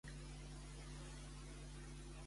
Com la visitava el rei de l'Olimp?